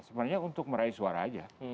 sebenarnya untuk meraih suara aja